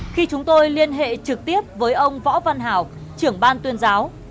khi chúng tôi liên hệ trực tiếp với ông võ văn hảo trưởng ban tuyên giáo